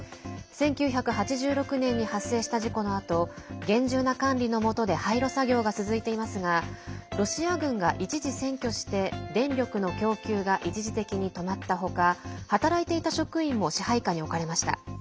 １９８６年に発生した事故のあと厳重な管理のもとで廃炉作業が続いていますがロシア軍が一時占拠して電力の供給が一時的に止まった他働いていた職員も支配下に置かれました。